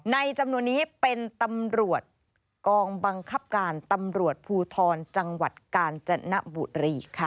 จำนวนนี้เป็นตำรวจกองบังคับการตำรวจภูทรจังหวัดกาญจนบุรีค่ะ